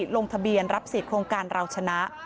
ลงทะเบียนรับสิทธิ์โครงการเราชนะ